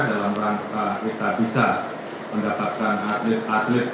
dalam rangka kita bisa mendapatkan atlet atlet